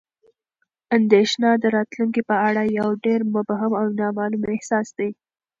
اندېښنه د راتلونکي په اړه یو ډېر مبهم او نامعلوم احساس دی.